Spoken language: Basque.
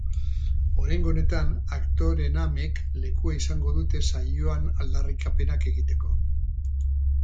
Oraingo honetan, aktoreen amek lekua izango dute saioan aldarrikapenak egiteko.